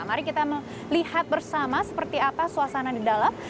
mari kita melihat bersama seperti apa suasana di dalam